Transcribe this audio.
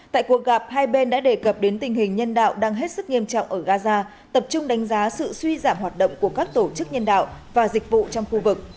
tại cuộc gặp hai bên đã đề cập đến tình hình nhân đạo đang hết sức nghiêm trọng ở gaza tập trung đánh giá sự suy giảm hoạt động của các tổ chức nhân đạo và dịch vụ trong khu vực